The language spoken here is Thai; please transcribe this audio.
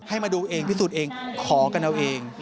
ให้มาดูเองพิสูจน์เองขอกันเอาเอง